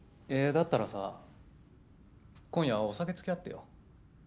だったらさ今夜お酒つきあってよ。